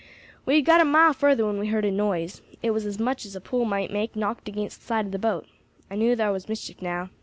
"We had got a mile further when we heard a noise. It was much as a pole might make knocked against the side of the boat. I knew thar was mischief now.